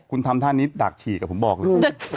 คุณทำท่านี้ดักฉีกผมบอกเลย